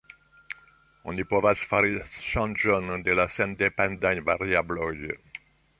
Oni povas fari ŝanĝon de la sendependaj variabloj.